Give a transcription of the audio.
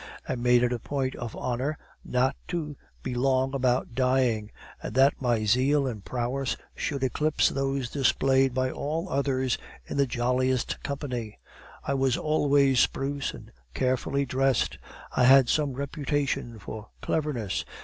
I made it a point of honor not to be long about dying, and that my zeal and prowess should eclipse those displayed by all others in the jolliest company. I was always spruce and carefully dressed. I had some reputation for cleverness.